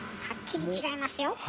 はっきり違いますよ。